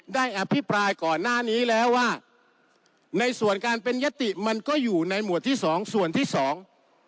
อภิปรายก่อนหน้านี้แล้วว่าในส่วนการเป็นยติมันก็อยู่ในหมวดที่สองส่วนที่สอง